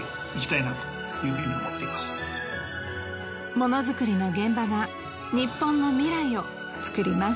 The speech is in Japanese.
モノづくりの現場がニッポンの未来をつくります。